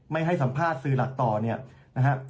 ไม่ให้สัมภาษณ์สื่อหลักต่อเนี่ยนะฮะ